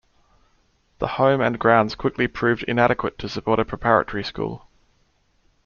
The home and grounds quickly proved inadequate to support a preparatory school.